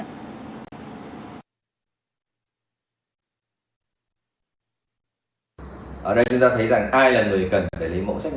ở đây chúng ta thấy rằng